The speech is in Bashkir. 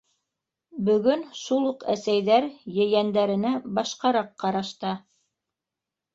Бөгөн шул уҡ әсәйҙәр ейәндәренә башҡараҡ ҡарашта.